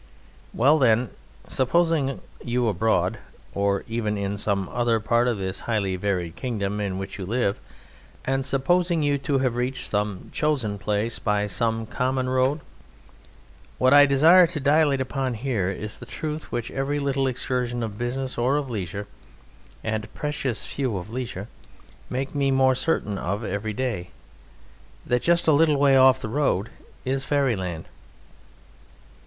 Well, then, supposing you abroad, or even in some other part of this highly varied kingdom in which you live, and supposing you to have reached some chosen place by some common road what I desire to dilate upon here is the truth which every little excursion of business or of leisure (and precious few of leisure) makes me more certain of every day: That just a little way off the road is fairyland.